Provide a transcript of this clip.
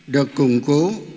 được củng cố